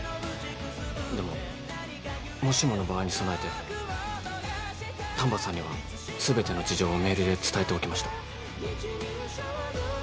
でももしもの場合に備えて丹波さんには全ての事情をメールで伝えておきました。